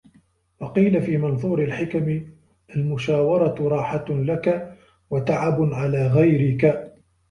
وَقِيلَ فِي مَنْثُورِ الْحِكَمِ الْمُشَاوَرَةُ رَاحَةٌ لَك وَتَعَبٌ عَلَى غَيْرِك